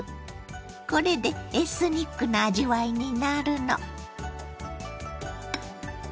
これでエスニックな味わいになるの。